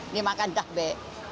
ini makan dah be